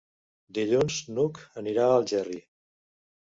Dilluns n'Hug anirà a Algerri.